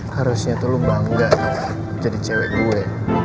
harusnya tuh lo bangga jadi cewek gue